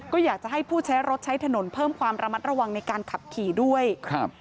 ก็อยากจะให้ผู้ใช้รถใช้ถนนเพิ่มความระมัดระวังในการขับขี่ด้วยครับ